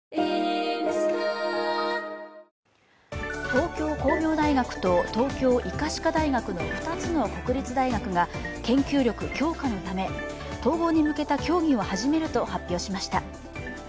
東京工業大学と東京医科歯科大学の２つの国立大学同士が研究力強化のため、統合に向けた協議を始めると発表しました。